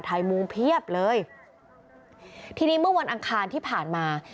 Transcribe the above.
มุมเพียบเลยทีนี้เมื่อวันอังคารที่ผ่านมา